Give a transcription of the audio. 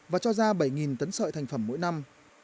và cho ra bảy tấn sợi thành phẩm mỗi năm